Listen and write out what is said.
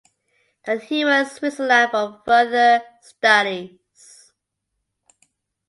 Then he went Switzerland for further studies.